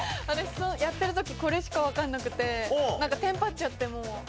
私やってる時これしかわかんなくてなんかテンパっちゃってもう。